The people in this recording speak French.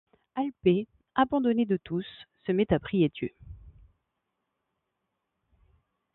Alpais, abandonnée de tous, se met à prier Dieu.